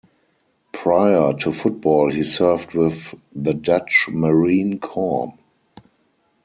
Prior to football he served with the Dutch Marine Corps.